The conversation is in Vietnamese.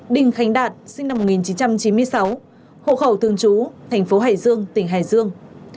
đình khánh đạt sinh năm một nghìn chín trăm chín mươi sáu hộ khẩu thường trú thành phố hải dương tỉnh hải dương